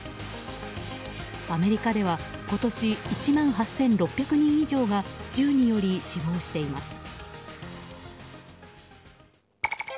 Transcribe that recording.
アメリカでは今年１万８６００人以上が銃により死亡しています。